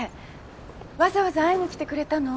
わざわざ会いに来てくれたの？